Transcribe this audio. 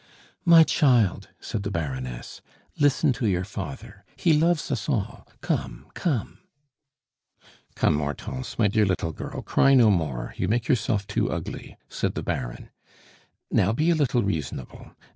"My child," said the Baroness, "listen to your father! He loves us all come, come " "Come, Hortense, my dear little girl, cry no more, you make yourself too ugly!" said the Baron, "Now, be a little reasonable.